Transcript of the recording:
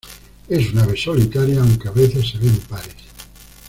Es un ave solitaria aunque a veces se ven pares.